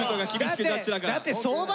だって相場